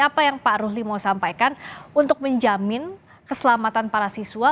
apa yang pak ruli mau sampaikan untuk menjamin keselamatan para siswa